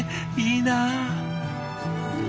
いいな。